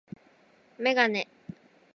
メガネ